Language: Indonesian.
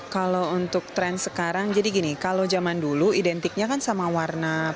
kalau untuk tren sekarang jadi gini kalau zaman dulu identiknya kan sama warna